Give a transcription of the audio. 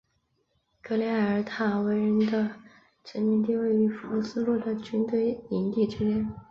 科利埃尔塔维人的殖民地位于福斯路的军队营地之间。